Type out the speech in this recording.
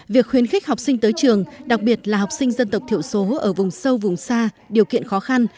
việc khuyến khích học sinh tới trường đặc biệt là học sinh dân tộc thiểu số ở vùng sâu vùng xa điều kiện khó khăn